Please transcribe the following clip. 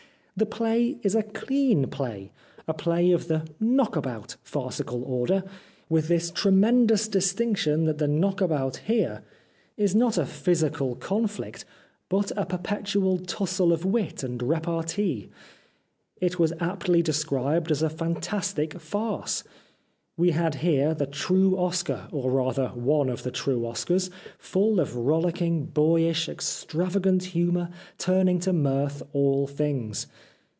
The play is a clean play, a play of the " knock about " farcical order, with this tremendous dis tinction that the knock about here is not a 331 The Life of Oscar Wilde physical conflict, but a perpetual tussle of wit and repartee. It was aptly described as a " fantastic farce." We had here the true Oscar, or rather one of the true Oscars, full of rollicking, boyish, extravagant humour, turning to mirth all things.